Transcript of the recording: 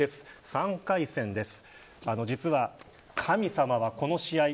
３回戦です。